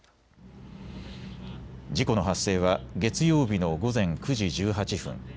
事故の発生は月曜日の午前９時１８分。